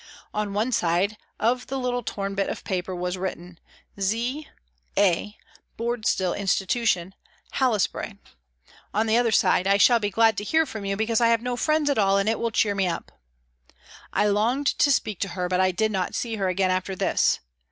On one side of the little torn bit of paper was written, " Z A , Boardstil Institution, Hails bray "; on the other side, "I shall be glad to hear from you because I have no friends at all and it will cheer me up." I longed to speak to her, but I did not see her again after this.